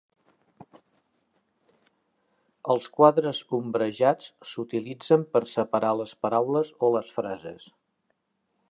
Els quadres ombrejats s'utilitzen per separar les paraules o les frases.